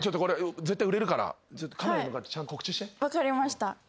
分かりました。